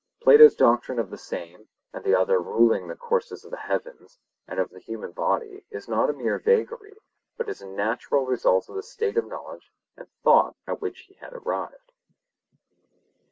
Plato's doctrine of the same and the other ruling the courses of the heavens and of the human body is not a mere vagary, but is a natural result of the state of knowledge and thought at which he had arrived.